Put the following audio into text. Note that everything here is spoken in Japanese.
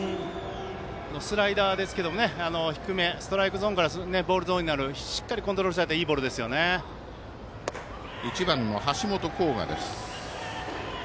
スライダーですけど低めストライクゾーンからボールゾーンになるしっかりコントロールされた１番の橋本航河です。